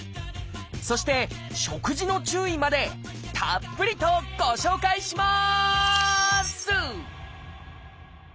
そして食事の注意までたっぷりとご紹介します！